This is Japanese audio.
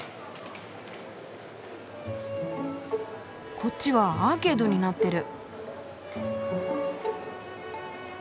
こっちはアーケードになってる。